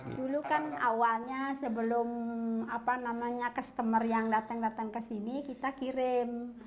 dulu kan awalnya sebelum customer yang datang datang ke sini kita kirim